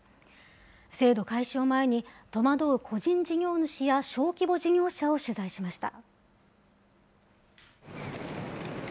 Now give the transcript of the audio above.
制度開始を前に、戸惑う個人事業主や小規模事業者を取材しました。